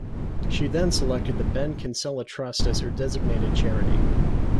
She selected the Ben Kinsella Trust as her designated charity.